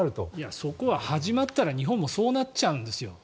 そこは始まったら日本もそうなっちゃうんですよ。